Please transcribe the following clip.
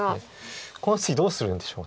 この次どうするんでしょう。